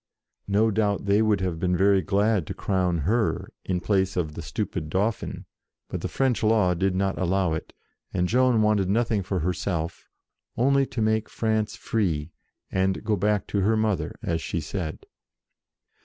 No doubt they would have been very glad to crown her, in place of the stupid Dauphin, but the French law did not allow it; and Joan wanted nothing for herself, only to make France free, and go back to her mother, as she said.